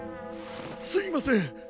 すいません